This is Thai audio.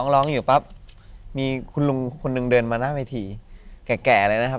ร้องอยู่ปั๊บมีคุณลุงคนหนึ่งเดินมาหน้าเวทีแก่เลยนะครับ